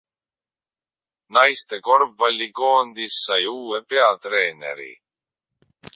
Naiste korvpallikoondis sai uue peatreeneri!